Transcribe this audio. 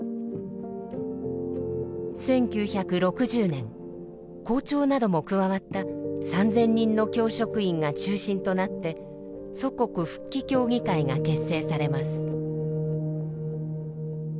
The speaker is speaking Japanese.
１９６０年校長なども加わった３，０００人の教職員が中心となって祖国復帰協議会が結成されます。